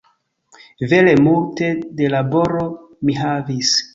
Vere multe da laboro mi havis